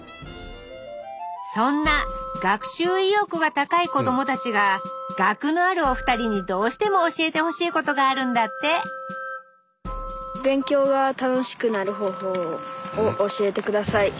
そんな学習意欲が高い子どもたちが学のあるお二人にどうしても教えてほしいことがあるんだってを教えて下さい！